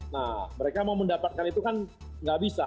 nah mereka mau mendapatkan itu kan nggak bisa